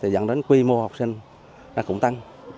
dẫn đến quy mô học sinh cũng tăng